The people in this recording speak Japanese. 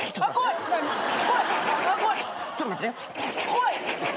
怖い！